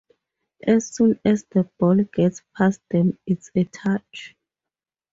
As soon as the ball gets past them, it's in touch.